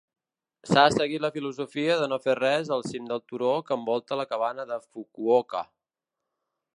S'ha seguit la filosofia de no fer res al cim del turó que envolta la cabana de Fukuoka.